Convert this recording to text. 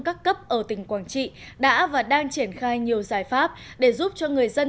các cấp ở tỉnh quảng trị đã và đang triển khai nhiều giải pháp để giúp cho người dân